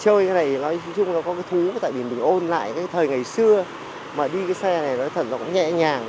chơi cái này nói chung là có cái thứ tại vì mình ôn lại cái thời ngày xưa mà đi cái xe này nó thật là cũng nhẹ nhàng